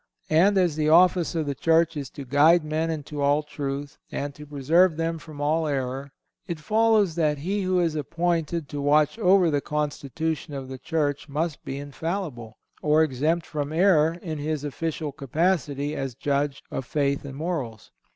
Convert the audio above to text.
And as the office of the Church is to guide men into all truth, and to preserve them from all error, it follows that he who is appointed to watch over the constitution of the Church must be infallible, or exempt from error in his official capacity as judge of faith and morals.